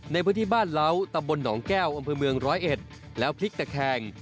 ในพื้นที่บ้านเหล้าตำบลหนองแก้วอำเภอเมืองร้อยเอ็ดแล้วพลิกตะแคง